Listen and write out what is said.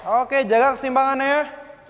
oke jaga kesimpangannya ya